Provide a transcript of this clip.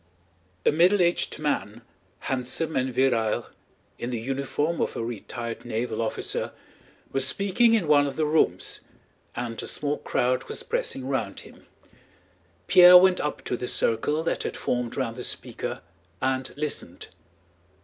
A middle aged man, handsome and virile, in the uniform of a retired naval officer, was speaking in one of the rooms, and a small crowd was pressing round him. Pierre went up to the circle that had formed round the speaker and listened.